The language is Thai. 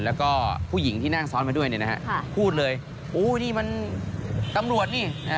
แล้วก็ผู้หญิงที่นั่งซ้อนมาด้วยเนี่ยนะฮะพูดเลยโอ้นี่มันตำรวจนี่